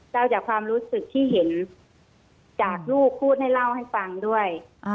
เล่าจากความรู้สึกที่เห็นจากลูกพูดให้เล่าให้ฟังด้วย